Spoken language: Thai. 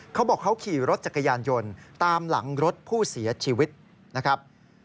เขาบอกเขาขี่รถจักรยานยนต์ตามหลังรถผู้เสียชีวิตนะครับ